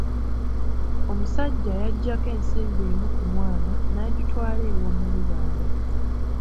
Omusajja yaggyako ensimbi emu ku mwana, n'agitwala ew’omulubaale.